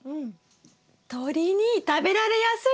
鳥に食べられやすい！